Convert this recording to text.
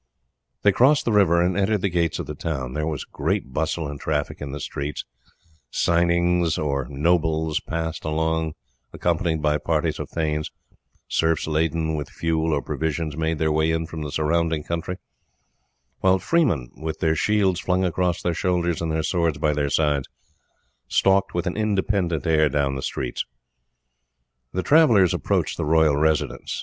They crossed the river and entered the gates of the town. There was great bustle and traffic in the streets, cynings, or nobles, passed along accompanied by parties of thanes, serfs laden with fuel or provisions made their way in from the surrounding country, while freemen, with their shields flung across their shoulders and their swords by their sides, stalked with an independent air down the streets. The travellers approached the royal residence.